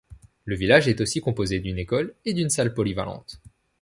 Le village est aussi composé d'une école et d'une salle polyvalente.